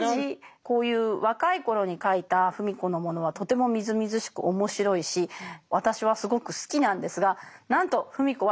こういう若い頃に書いた芙美子のものはとてもみずみずしく面白いし私はすごく好きなんですがなんと芙美子は気に入ってません。